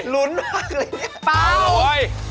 หลุดมากเลย